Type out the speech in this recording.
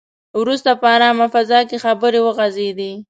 وروسته په ارامه فضا کې خبرې وغځېدې.